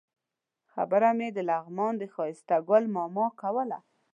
خبره مې د لغمان د ښایسته ګل ماما کوله.